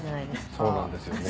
そうなんですよね。